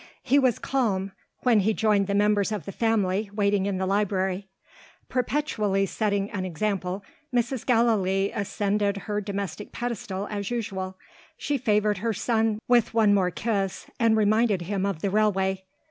He was calm, when he joined the members of the family, waiting in the library. Perpetually setting an example, Mrs. Gallilee ascended her domestic pedestal as usual. She favoured her son with one more kiss, and reminded him of the railway.